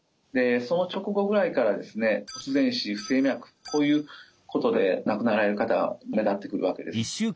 その直後ぐらいからですね突然死不整脈こういうことで亡くなられる方が目立ってくるわけです。